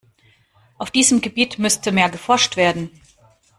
Auf diesem Gebiet müsste mehr geforscht werden.